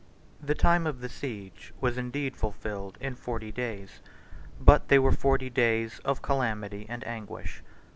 The time of the siege was indeed fulfilled in forty days, but they were forty days of calamity and anguish.